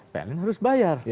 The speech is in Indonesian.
pln harus bayar